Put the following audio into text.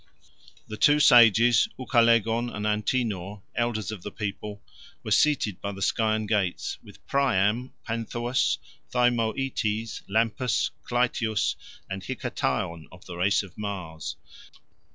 The two sages, Ucalegon and Antenor, elders of the people, were seated by the Scaean gates, with Priam, Panthous, Thymoetes, Lampus, Clytius, and Hiketaon of the race of Mars.